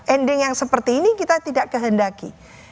ending yang seperti ini kita tidak kehendaki